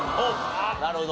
なるほど。